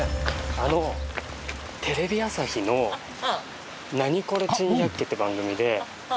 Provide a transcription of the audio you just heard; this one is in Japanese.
あのテレビ朝日の『ナニコレ珍百景』って番組で。